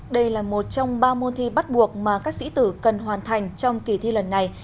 đây là một trong ba môn thi bắt buộc mà các sĩ tử cần hoàn thành trong kỳ thi lần này